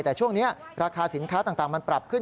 แต่ช่วงนี้ราคาสินค้าต่างมันปรับขึ้น